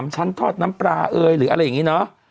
ชั้นทอดน้ำปลาเอ่ยหรืออะไรอย่างนี้เนอะ